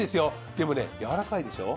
でもねやわらかいでしょう？